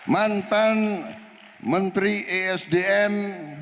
mantan menteri esdm